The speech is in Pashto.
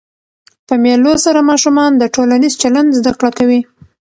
په مېلو سره ماشومان د ټولنیز چلند زده کړه کوي.